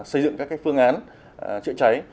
xây dựng các phương án chữa cháy